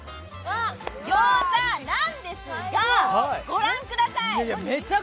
餃子なんですが、ご覧ください。